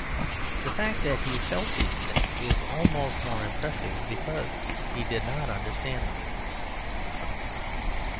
The fact that he felt these things is almost more impressive because he did not understand them.